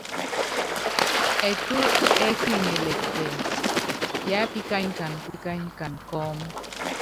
Ɛtú ɛ́kiŋɛlɛ kutɛ, yápíkanyikana kɔ́mú.